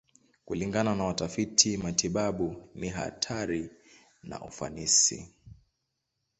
Kulingana na watafiti matibabu, ni hatari na ufanisi.